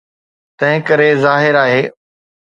تنهنڪري ظاهر آهي.